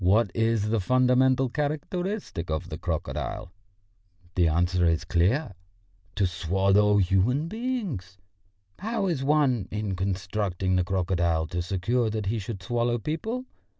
What is the fundamental characteristic of the crocodile? The answer is clear: to swallow human beings. How is one, in constructing the crocodile, to secure that he should swallow people?